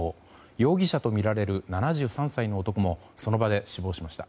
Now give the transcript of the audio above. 容疑者とみられる７３歳の男もその場で死亡しました。